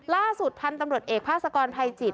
ล่าสุดทางตำรวจเอกภาษากรไพรจิต